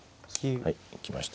はい行きました。